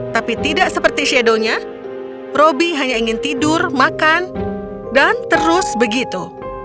tapi tidak seperti shadownya robby hanya ingin tidur makan dan terus begitu